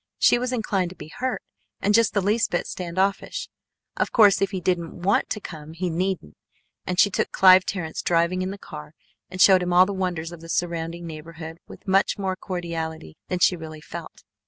She was inclined to be hurt and just the least bit stand offish. Of course if he didn't want to come he needn't! And she took Clive Terrence driving in the car and showed him all the wonders of the surrounding neighborhood with much more cordiality than she really felt.